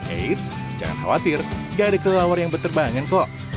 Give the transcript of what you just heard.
eits jangan khawatir gak ada kelelawar yang berterbangan kok